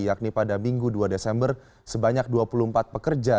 yakni pada minggu dua desember sebanyak dua puluh empat pekerja